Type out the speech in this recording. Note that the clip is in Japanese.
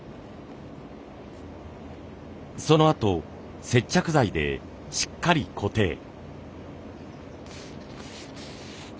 そのあと接着剤でしっかり固定。